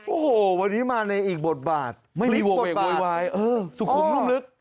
โอ้โหวันนี้มาในอีกบทบาทไม่มีบทบาทสุขุมร่วมลึก